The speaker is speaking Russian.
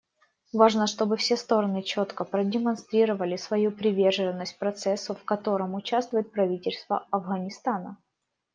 Важно, чтобы все стороны четко продемонстрировали свою приверженность процессу, в котором участвует правительство Афганистана.